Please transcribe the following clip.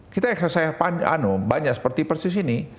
kita yang saya banyak seperti persis ini